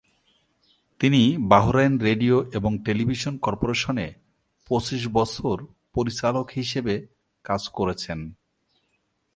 তিনি Bahrain radio এবং television কর্পোরেশনে পঁচিশ বছর পরিচালক হিসেবে কাজ করেছেন।